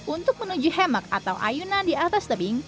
untuk menuju hemok atau ayunan di atas tebing